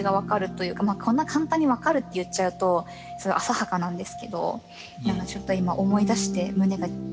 こんな簡単に「分かる」って言っちゃうとすごい浅はかなんですけどちょっと今思い出して胸が。